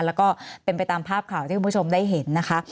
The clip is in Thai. แล้วก็เป็นไปตามภาพข่าวที่คุณผู้ชมได้เห็นนะคะ